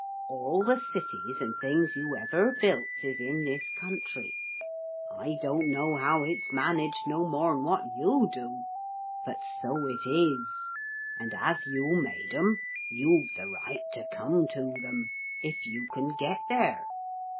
All the cities and things you ever built is in this country. I don't know how it's managed, no more'n what you do. But so it is. And as you made 'em, you've the right to come to them if you can get there.